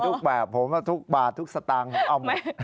ทุกแบบผมว่าทุกบาททุกสตางค์เอามา